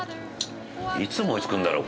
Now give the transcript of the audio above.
いつ思いつくんだろう？